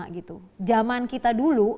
enam puluh lima gitu zaman kita dulu